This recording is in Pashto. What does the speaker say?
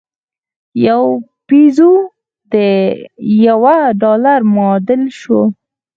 یو پیزو د یوه ډالر معادل شو.